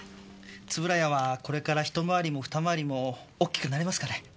円谷はこれから一回りも二回りも大きくなれますかね？